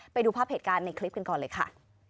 ไปดูภาพเหตุการณ์ในคลิปกันก่อนเลยค่ะ